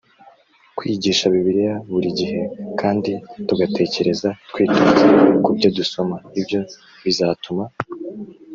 kwiyigisha bibiliya buri gihe kandi tugatekereza twitonze ku byo dusoma ibyo bizatuma